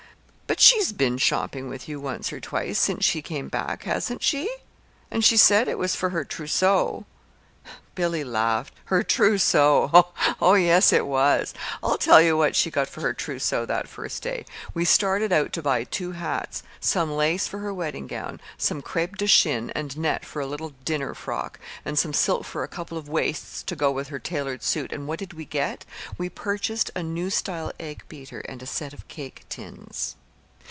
"But she's been shopping with you once or twice, since she came back, hasn't she? And she said it was for her trousseau." Billy laughed. "Her trousseau! Oh, yes, it was. I'll tell you what she got for her trousseau that first day. We started out to buy two hats, some lace for her wedding gown, some crêpe de Chine and net for a little dinner frock, and some silk for a couple of waists to go with her tailored suit; and what did we get? We purchased a new style egg beater and a set of cake tins.